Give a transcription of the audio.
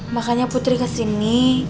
makanya putri kesini